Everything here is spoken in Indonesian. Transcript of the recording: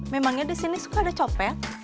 memangnya di sini suka ada copet